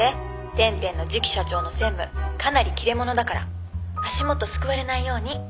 天・天の次期社長の専務かなり切れ者だから足元すくわれないように。